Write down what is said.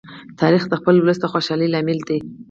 تاریخ د خپل ولس د خوشالۍ لامل دی.